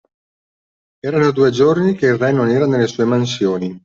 Erano due giorni che il re non era nelle sue mansioni